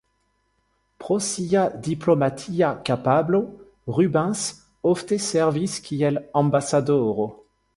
Pro sia diplomatia kapablo, Rubens ofte servis kiel ambasadoro.